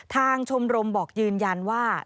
ชมรมบอกยืนยันว่า